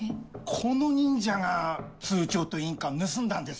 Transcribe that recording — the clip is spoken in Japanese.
この忍者が通帳と印鑑盗んだんです。